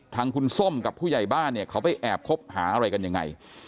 ทางคุณส้มกับผู้ใหญ่บ้านเนี่ยเขาไปแอบคบหาอะไรกันยังไง